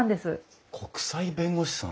国際弁護士さん？